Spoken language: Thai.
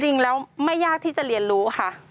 จริงแล้วไม่ยากที่จะเรียนรู้ค่ะ